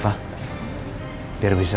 lo mau bantu bantuin